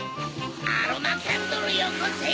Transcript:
アロマキャンドルよこせ！